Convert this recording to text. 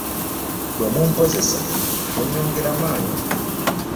Bwe mumpozesa munnyongera maanyi.